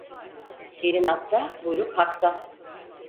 Gelin atta buyruk Hak'ta.